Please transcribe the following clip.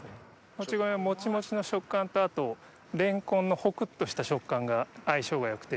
もち米のもちもちの食感とあとレンコンのホクっとした食感が相性が良くて。